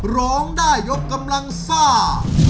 ร้องได้ยกกำลังซ่า